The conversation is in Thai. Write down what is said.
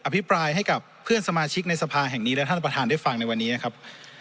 พิปรายให้กับเพื่อนสมาชิกในสภาแห่งนี้และท่านประธานได้ฟังในวันนี้นะครับ